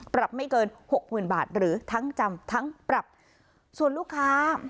ปรับไม่เกินหกหมื่นบาทหรือทั้งจำทั้งปรับส่วนลูกค้า